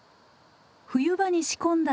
冬場に仕込んだ